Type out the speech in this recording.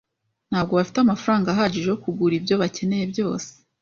Ntabwo bafite amafaranga ahagije yo kugura ibyo bakeneye byose.